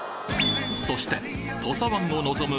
そして土佐湾を望む